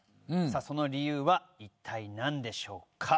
その理由は一体何でしょうか？